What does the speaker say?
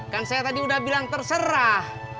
kan saya tadi udah bilang terserah